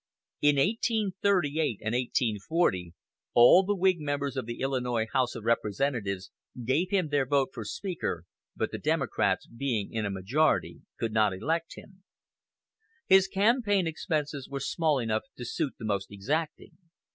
In 1838 and 1840 all the Whig members of the Illinois House of Representatives gave him their vote for Speaker, but, the Democrats being in a majority, could not elect him. His campaign expenses were small enough to suit the most exacting.